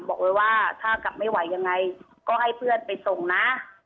บอกเลยว่าถ้ากลับไม่ไหวยังไงก็ให้เพื่อนไปส่งนะ